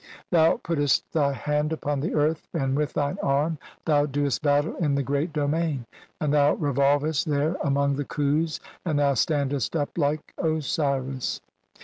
Thou puttest thy "hand upon the earth, and with thine arm thou doest "battle in the Great Domain, and thou revolvest there "among the Khus, and thou standest up like Osiris."